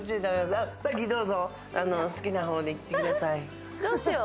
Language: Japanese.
先、どうぞ。